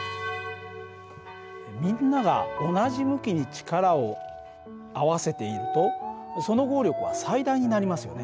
みんなが同じ向きに力を合わせているとその合力は最大になりますよね。